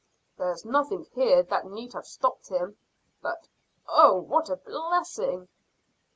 "There's nothing here that need have stopped him, but Oh, what a blessing!"